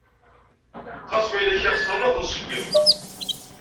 Ɣas ma yella kra i ixeṣren a t-nṣeggem.